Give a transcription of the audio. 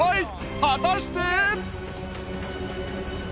果たして。